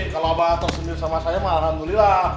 kalau abah tersenyum sama saya malah nulilah